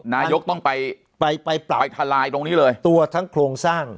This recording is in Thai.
นายกต้องไปไปปรับไปทลายตรงนี้เลยตัวทั้งโครงสร้าง